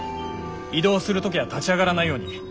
移動する時は立ち上がらないように。